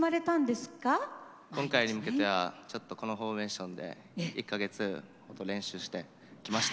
今回に向けてはちょっとこのフォーメーションで１か月ほど練習してきました。